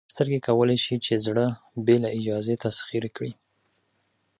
سترګې کولی شي چې زړه بې له اجازې تسخیر کړي.